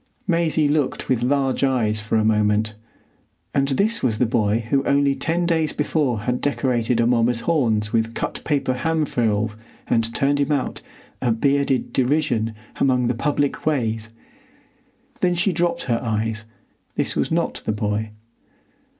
Maisie looked with large eyes for a moment. And this was the boy who only ten days before had decorated Amomma's horns with cut paper ham frills and turned him out, a bearded derision, among the public ways! Then she dropped her eyes: this was not the boy.